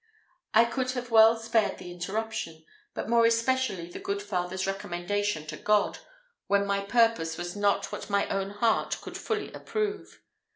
I could have well spared the interruption, but more especially the good father's recommendation to God, when my purpose was not what my own heart could fully approve.